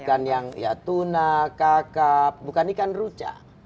bukan yang ya tuna kakap bukan ikan ruca